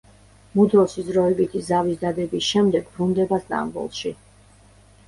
მუდროსის დროებითი ზავის დადების შემდეგ ბრუნდება სტამბოლში.